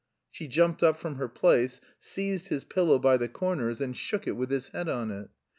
She jumped up from her place, seized his pillow by the corners and shook it with his head on it.